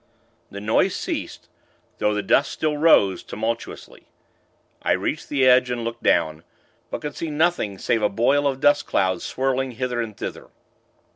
The noise ceased, though the dust still rose, tumultuously. I reached the edge, and looked down; but could see nothing save a boil of dust clouds swirling hither and thither.